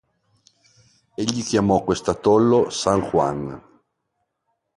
Egli chiamò quest'atollo "San Juan".